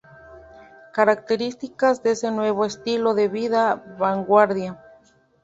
Características de este nuevo estilo de vida, Vanguardia